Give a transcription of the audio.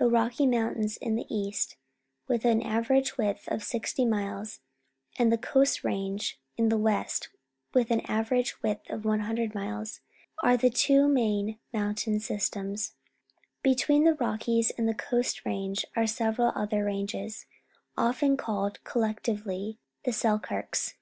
Tlie__Eocky Mountains^ in the east, with an average Douglas Firs, British Columbia width of sixty miles, and the Coast Range in the west, with an average width of 100 miles, are the two main mountain sj'stems. Between the Rockies and the Coast Range are several other ranges, often called collec tively the Selk^irks.